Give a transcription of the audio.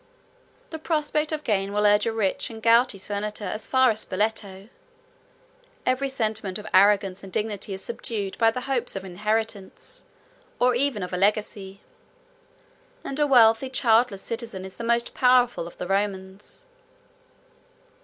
The prospect of gain will urge a rich and gouty senator as far as Spoleto; every sentiment of arrogance and dignity is subdued by the hopes of an inheritance, or even of a legacy; and a wealthy childless citizen is the most powerful of the Romans.